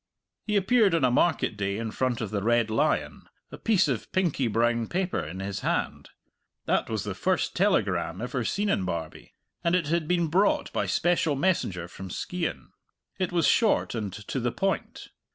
He appeared on a market day in front of the Red Lion, a piece of pinky brown paper in his hand. That was the first telegram ever seen in Barbie, and it had been brought by special messenger from Skeighan. It was short and to the point.